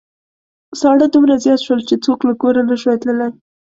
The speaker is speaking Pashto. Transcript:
ساړه دومره زيات شول چې څوک له کوره نشوای تللای.